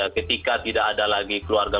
ketika tidak ada lagi keluarga